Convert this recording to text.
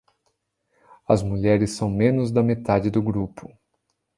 As mulheres são menos da metade do grupo.